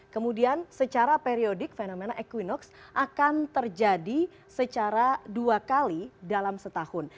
kemudian secara periodik fenomena equinox akan terjadi secara dua kali dalam setahun